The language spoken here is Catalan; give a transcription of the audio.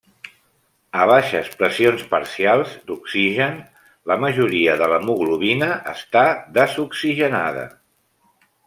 A baixes pressions parcials d'oxigen, la majoria de l'hemoglobina està desoxigenada.